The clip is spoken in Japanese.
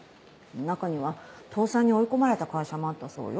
中には倒産に追い込まれた会社もあったそうよ。